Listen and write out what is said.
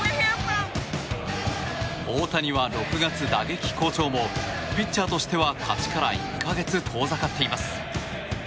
大谷は６月打撃好調もピッチャーとしては勝ちから１か月遠ざかっています。